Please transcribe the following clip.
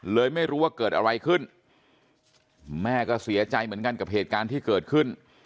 ไม่รู้ว่าเกิดอะไรขึ้นแม่ก็เสียใจเหมือนกันกับเหตุการณ์ที่เกิดขึ้น